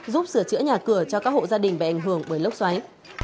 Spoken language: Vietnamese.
giúp sửa chữa nhà cửa cho các hộ gia đình bị ảnh hưởng bởi lốc xoáy